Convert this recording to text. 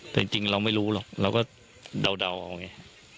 แต่จริงเราไม่รู้หรอกเราก็เดาเอาไง